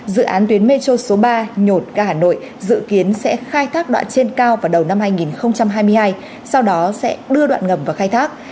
dự án tuyến metro số ba nhột ga hà nội dự kiến sẽ khai thác đoạn trên cao vào đầu năm hai nghìn hai mươi hai sau đó sẽ đưa đoạn ngầm vào khai thác